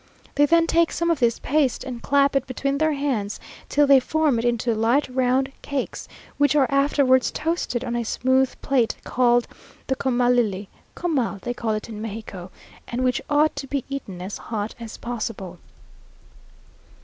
They then take some of this paste, and clap it between their hands till they form it into light round cakes, which are afterwards toasted on a smooth plate, called the comalli (comal they call it in Mexico), and which ought to be eaten as hot as possible.